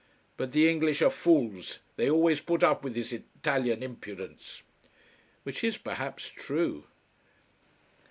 But the English are fools. They always put up with this Italian impudence." Which is perhaps true.